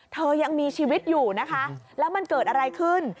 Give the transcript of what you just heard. ยังมีชีวิตอยู่นะคะแล้วมันเกิดอะไรขึ้น